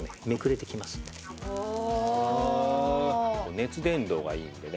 熱伝導がいいのでね